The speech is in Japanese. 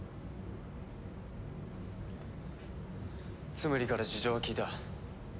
ツムリから事情は聞いた。